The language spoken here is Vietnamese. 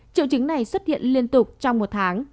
triệu chứng này xuất hiện liên tục trong một tháng